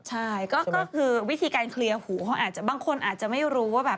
ใช่ก็คือวิธีการเคลียร์หูเขาอาจจะบางคนอาจจะไม่รู้ว่าแบบ